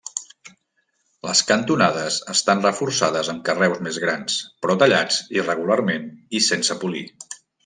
Les cantonades estan reforçades amb carreus més grans, però tallats irregularment i sense polir.